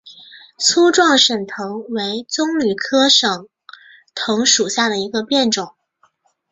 粗壮省藤为棕榈科省藤属下的一个变种。